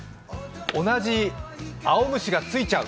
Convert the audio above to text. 同じ青虫がついちゃう！